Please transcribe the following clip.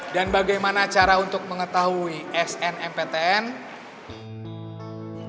dan bagaimana cara untuk mengetahui snmptn